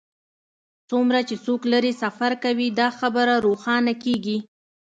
څومره چې څوک لرې سفر کوي دا خبره روښانه کیږي